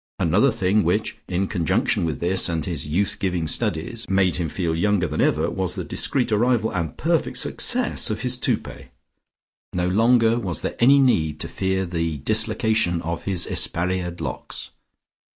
Another thing which, in conjunction with this and his youth giving studies, made him feel younger than ever was the discreet arrival and perfect success of his toupet. No longer was there any need to fear the dislocation of his espaliered locks.